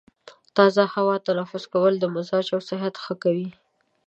تازه هوا تنفس کول د مزاج او صحت ښه کوي.